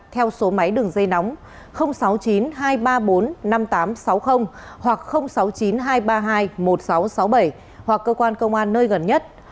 theo số máy đường dây nóng sáu mươi chín hai trăm ba mươi bốn năm nghìn tám trăm sáu mươi hoặc sáu mươi chín hai trăm ba mươi hai một nghìn sáu trăm sáu mươi bảy hoặc cơ quan công an nơi gần nhất